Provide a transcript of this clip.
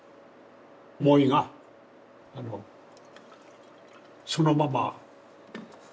思いがあのそのままなんだ